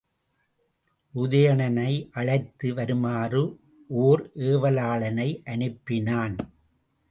உதயணனை அழைத்து வருமாறு ஓர் ஏவலாளனை அனுப்பினான்.